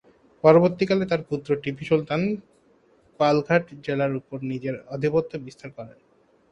পরবর্তীকালে তার পুত্র টিপু সুলতান পালঘাট জেলার উপর নিজের আধিপত্য বিস্তার করেন।